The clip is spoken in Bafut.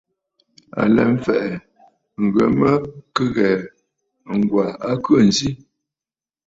À lɛ mfɛ̀ʼɛ̀, ŋghə mə kɨ ghɛ̀ɛ̀, Ŋ̀gwà a khê ǹzi.